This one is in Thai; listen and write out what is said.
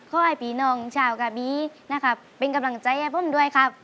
ขอให้พี่น้องชาวกะบีนะครับเป็นกำลังใจให้ผมด้วยครับ